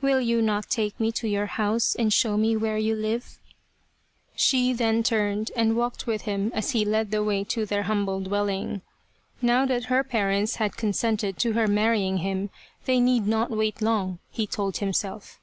Will you not take me to your house and show me where you live ?" She then turned and walked with him as he led the way to their humble dwelling. Now that her parents had consented to her marrying him they need not wait long, he told himself.